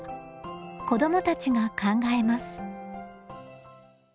子どもたちが考えます。